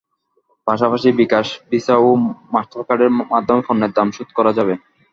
পাশাপাশি বিকাশ, ভিসা ও মাস্টারকার্ডের মাধ্যমে পণ্যের দাম শোধ করা যাবে।